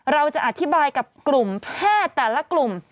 เราจะอธิบายกับกลุ่มแพทย์แต่ละกลุ่ม